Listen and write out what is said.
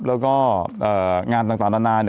แล้วก็งานต่างนานา